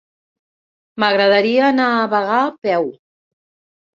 M'agradaria anar a Bagà a peu.